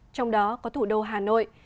trong đó có thủ đô hà nội